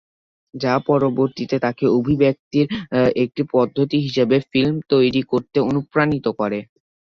যা পরবর্তীতে, তাকে অভিব্যক্তির একটি পদ্ধতি হিসাবে ফিল্ম তৈরি করতে অনুপ্রাণিত করে।